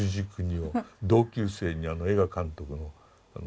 同級生には映画監督の。